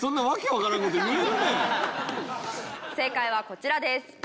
正解はこちらです。